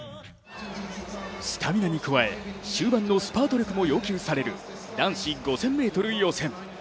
スタミナに加え、終盤のスパート力も要求される男子５０００ｍ予選。